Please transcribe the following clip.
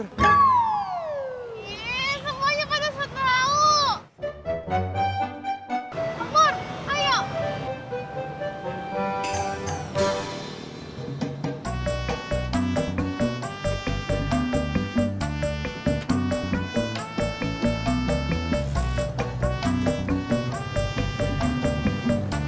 yee semuanya pada seterau